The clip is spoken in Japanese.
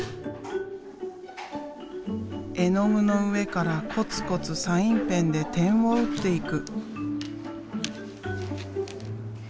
絵の具の上からこつこつサインペンで点を打っていく。